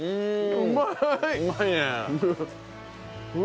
うまいわ。